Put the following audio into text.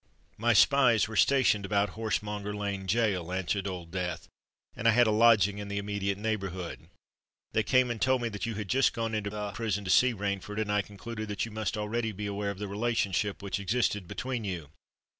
"My spies were stationed about Horsemonger Lane gaol," answered Old Death; "and I had a lodging in the immediate neighbourhood. They came and told me that you had just gone into the prison to see Rainford; and I concluded that you must already be aware of the relationship which existed between you.